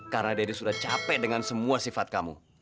karena daddy sudah capek dengan semua sifat kamu